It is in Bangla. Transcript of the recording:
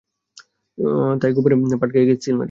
তাই গোপনে পাটক্ষেতে গিয়ে সিল মারি!